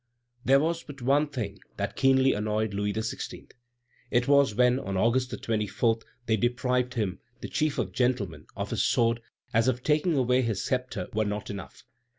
There was but one thing that keenly annoyed Louis XVI. It was when, on August 24, they deprived him, the chief of gentlemen, of his sword, as if taking away his sceptre were not enough.